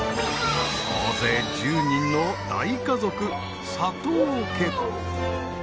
総勢１０人の大家族佐藤家。